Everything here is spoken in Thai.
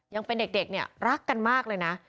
ยังเป็นเด็กเนี่ยรักกันมากเลยนะ